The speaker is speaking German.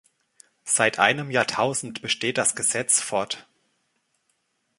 Seit einem Jahrtausend besteht das Gesetz fort.